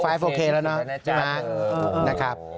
ฟ้าไฟโอเคแล้วนะพี่มาร์คนะครับ